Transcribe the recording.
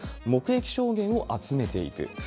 目撃証言を集めていく。